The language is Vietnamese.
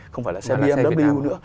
không phải là xe bmw nữa